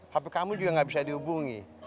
tapi kamu juga nggak bisa dihubungi